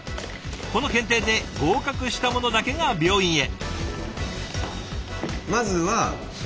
この検定で合格したものだけが病院へ。